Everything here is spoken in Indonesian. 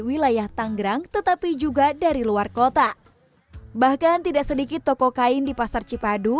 wilayah tanggrang tetapi juga dari luar kota bahkan tidak sedikit toko kain di pasar cipadu